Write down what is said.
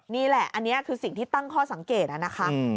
นี่แหละอันนี้คือสิ่งที่ตั้งข้อสังเกตนะคะ